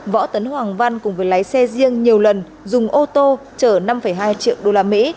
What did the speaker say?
võ tấn hoàng văn cùng với lái xe riêng nhiều lần dùng ô tô chở năm hai triệu đô la mỹ